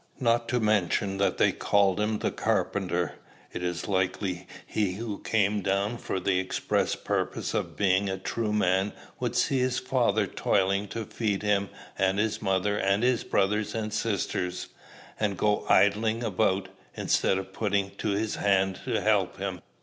Not to mention that they called him the carpenter, is it likely he who came down for the express purpose of being a true man would see his father toiling to feed him and his mother and his brothers and sisters, and go idling about, instead of putting to his hand to help him?